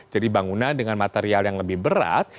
jadi bangunan dengan material yang lebih berat